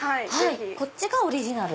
こっちがオリジナル。